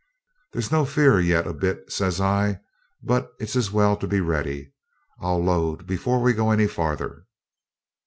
'There's no fear yet a bit,' says I; 'but it's as well to be ready. I'll load before we go any farther.'